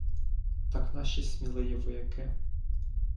Так наші смілиї вояки